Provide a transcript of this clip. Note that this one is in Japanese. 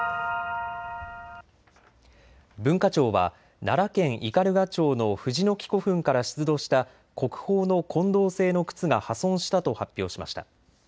文化庁は奈良県斑鳩町の藤ノ木古墳から出土した国宝の金銅製のくつが破損したと発表しました。